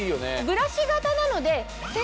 ブラシ型なので。